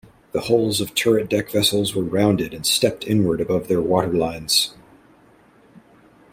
The hulls of turret deck vessels were rounded and stepped inward above their waterlines.